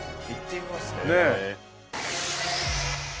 行ってみますか。